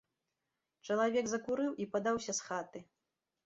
Чалавек закурыў і падаўся з хаты.